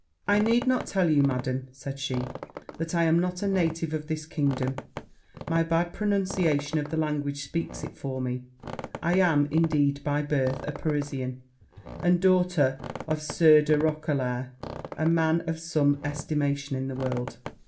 'I need not tell you, Madam,' said she, 'that I am not a native of this kingdom; my bad pronunciation of the language speaks it for me: I am, indeed, by birth a Parisian, and daughter of the Sieur de Roquelair, a man of some estimation in the world.